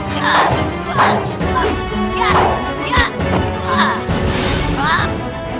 jangan lakukan apa yang kamu lakukan